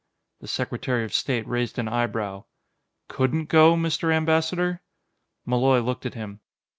The Secretary of State raised an eyebrow. "Couldn't go, Mr. Ambassador?" Malloy looked at him.